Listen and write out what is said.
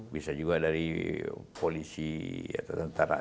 bisa juga dari polisi atau tentara